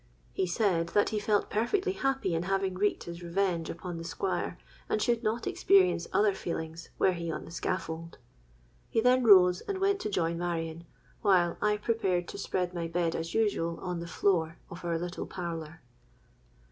He said that he felt perfectly happy in having wreaked his vengeance upon the Squire, and should not experience other feelings, were he on the scaffold. He then rose and went to join Marion, while I prepared to spread my bed as usual on the floor of our little parlour.